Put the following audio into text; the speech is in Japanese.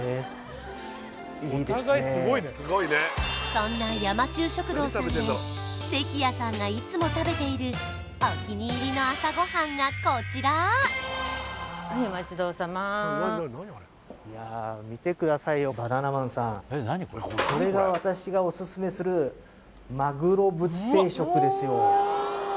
そんな山中食堂さんで関谷さんがいつも食べているがこちらはいお待ち遠さまいやあ見てくださいよバナナマンさんこれが私がオススメするマグロブツ定食ですよ